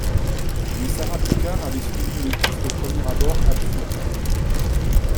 Mais Sara Picard avait suivi une piste au premier abord absurde